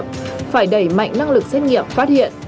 phải đẩy mạnh năng lực xét nghiệm phát hiện